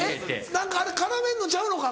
何かあれ絡めんのちゃうのか？